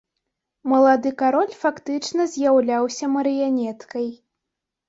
Малады кароль фактычна з'яўляўся марыянеткай.